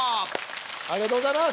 ありがとうございます！